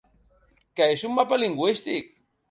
Que és un mapa lingüístic!